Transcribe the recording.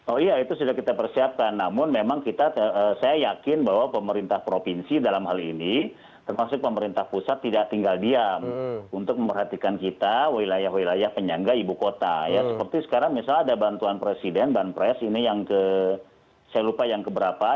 oh iya itu sudah kita persiapkan namun memang kita saya yakin bahwa pemerintah provinsi dalam hal ini termasuk pemerintah pusat tidak tinggal diam untuk memperhatikan kita wilayah wilayah penyangga ibu kota ya seperti sekarang misalnya ada bantuan presiden banpres ini yang saya lupa yang keberapa